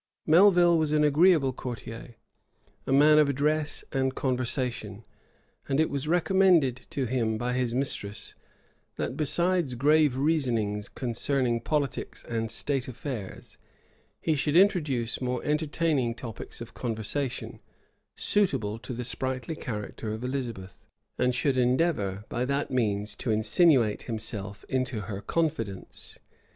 Melvil was an agreeable courtier, a man of address and conversation; and it was recommended to him by his mistress, that, besides grave reasonings concerning politics and state affairs, he should introduce more entertaining topics of conversation, suitable to the sprightly character of Elizabeth, and should endeavor by that means to insinuate himself into her confidence.